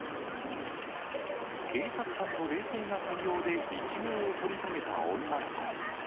警察官の冷静な対応で一命を取り留めた女の子。